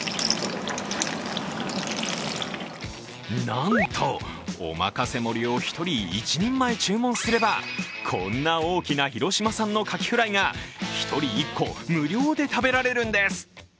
なんと、おまかせ盛りを１人、一人前注文すれば、こんな大きな広島産の牡蠣フライが１人１個、無料で食べられるんです。